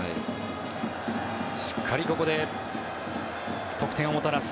しっかりここで得点をもたらす